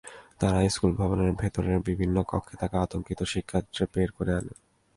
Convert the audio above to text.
তাঁরা স্কুল ভবনের ভেতরের বিভিন্ন কক্ষে থাকা আতঙ্কিত শিক্ষার্থীদের বের করে আনেন।